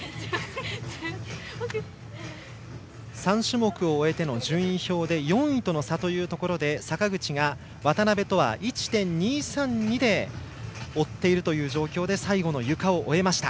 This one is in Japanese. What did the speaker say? ３種目を終えての順位表で４位との差というところで坂口が渡部とは１．２３２で追っているという状況で最後のゆかを終えました。